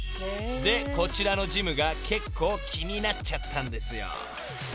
［でこちらのジムが結構気になっちゃったんですよ］